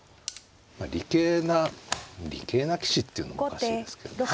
理系な理系な棋士っていうのもおかしいですけどね